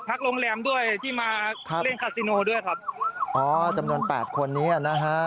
โรงแรมด้วยที่มาเล่นคาซิโนด้วยครับอ๋อจำนวนแปดคนนี้นะฮะ